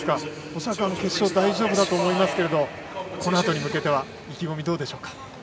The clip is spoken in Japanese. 恐らく決勝大丈夫だと思いますがこのあとに向けて意気込み、どうでしょうか。